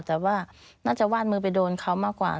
แต่ว่าน่าจะวาดมือไปโดนเขามากกว่า